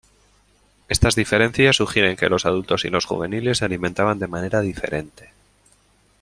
Estas diferencias sugieren que los adultos y los juveniles se alimentaban de manera diferente.